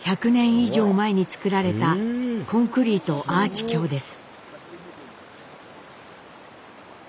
以上前に造られたコンクリートアーチ橋です。